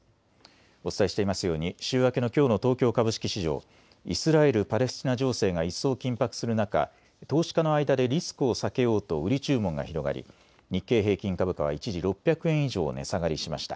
お伝えしていますように週明けのきょうの東京株式市場、イスラエル・パレスチナ情勢が一層緊迫する中、投資家の間でリスクを避けようと売り注文が広がり日経平均株価は一時、６００円以上値下がりしました。